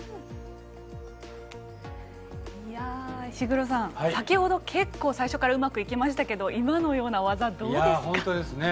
石黒さん、先ほど最初からうまくいきましたが今のような技、どうですか。